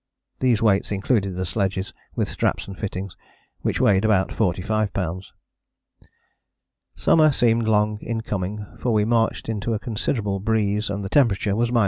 These weights included the sledges, with straps and fittings, which weighed about 45 lbs. Summer seemed long in coming for we marched into a considerable breeze and the temperature was 18°.